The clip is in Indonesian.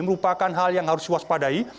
bukan hal yang harus waspadai